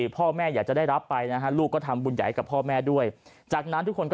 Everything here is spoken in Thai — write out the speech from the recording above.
พ่อแม่อยากจะได้รับไปนะฮะลูกก็ทำบุญใหญ่ให้กับพ่อแม่ด้วยจากนั้นทุกคนก็